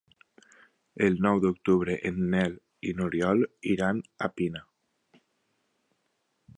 El nou d'octubre en Nel i n'Oriol iran a Pina.